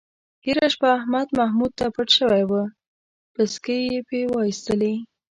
تېره شپه احمد محمود ته پټ شوی و، پسکې یې پې وایستلی.